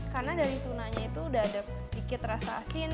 karena dari tuna itu sudah ada sedikit rasa asin